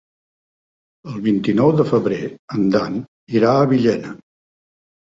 El vint-i-nou de febrer en Dan irà a Villena.